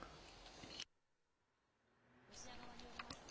ロシア側によりますと